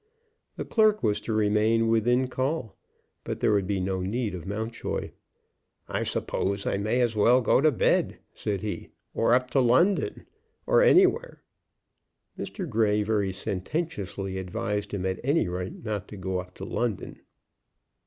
The clerk was to remain within call, but there would be no need of Mountjoy. "I suppose I may as well go to bed," said he, "or up to London, or anywhere." Mr. Grey very sententiously advised him at any rate not to go up to London.